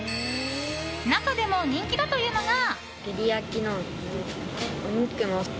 中でも人気だというのが。